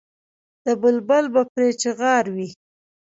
د بلبل به پرې چیغار وي.